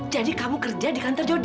jadi kamu kerja di kantor jody